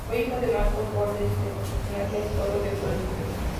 Fue hijo de Marcos Borges y de Josefa Díaz Toro de Borges.